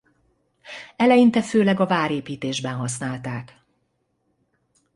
Eleinte főleg a várépítésben használták.